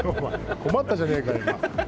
困ったじゃねえかよ、今。